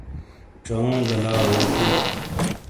ژاوگہ لاؤ واتو